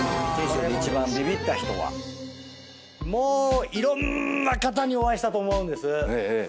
もういろんな方にお会いしたと思うんです。